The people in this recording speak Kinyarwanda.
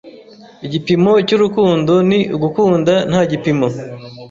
Igipimo cy'urukundo ni ugukunda nta gipimo.